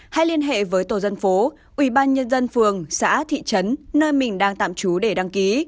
hãy liên hệ với tổ dân phố ủy ban nhân dân phường xã thị trấn nơi mình đang tạm trú để đăng ký